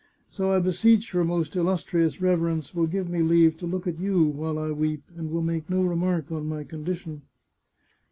So I beseech your most illustrious rever ence will give me leave to look at you while I weep, and will make no remark on my condition."